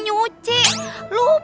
answer ayolah yaidents